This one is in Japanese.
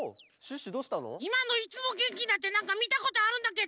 いまの「いつもげんきな」ってなんかみたことあるんだけど！